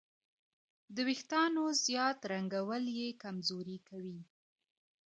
د وېښتیانو زیات رنګول یې کمزوري کوي.